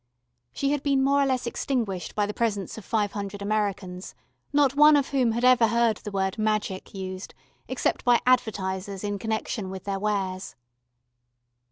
She had been more or less extinguished by the presence of five hundred Americans, not one of whom had ever heard the word "magic" used, except by advertisers in connection with their wares.